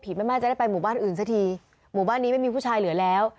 แม่แม่จะได้ไปหมู่บ้านอื่นซะทีหมู่บ้านนี้ไม่มีผู้ชายเหลือแล้ว